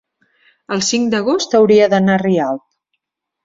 el cinc d'agost hauria d'anar a Rialp.